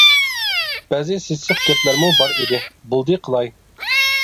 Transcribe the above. بەزى سېسىق گەپلەرمۇ بار ئىدى، بولدى قىلاي.